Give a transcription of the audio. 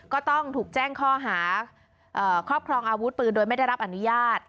ก็ต้องถูกแจ้งข้อหาครอบครองอาวุธปืนโดยไม่ได้รับอนุญาต